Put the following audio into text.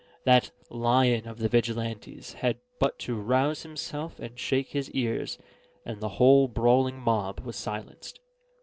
That lion of the Vigilantes had but to rouse himself and shake his ears, and the whole brawling mob was silenced.